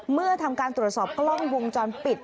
เมื่อทำการตรวจสอบกล้องวงจรปิด